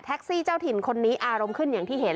ซี่เจ้าถิ่นคนนี้อารมณ์ขึ้นอย่างที่เห็น